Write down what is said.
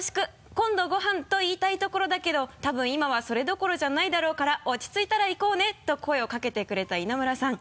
今度ご飯と言いたいところだけど多分今はそれどころじゃないだろうから落ち着いたら行こうね！と声をかけてくれた稲村さん」